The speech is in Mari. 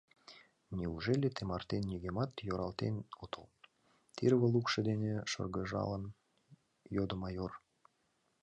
Неужели тымартен нигӧмат йӧратен отыл? — тӱрвӧ лукшо дене шыргыжалын, йодо майор.